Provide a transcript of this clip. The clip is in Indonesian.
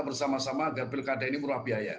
bersama sama agar pilkada ini murah biaya